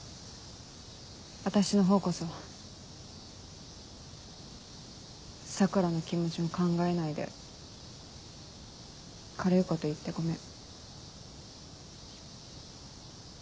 私のほうこそ桜の気持ちも考えないで軽いこと言ってごめん。